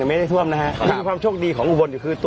ไม่ได้ท่วมนะฮะนี่คือความโชคดีของอุบลคือตัว